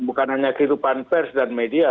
bukan hanya kehidupan pers dan media